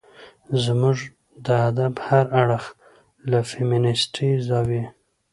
زموږ د ادب هر اړخ له فيمنستي زاويې